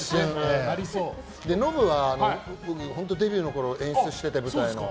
ノブは、デビューの時演出をしていて舞台の。